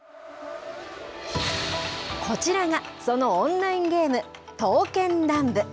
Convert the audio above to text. こちらがそのオンラインゲーム、刀剣乱舞。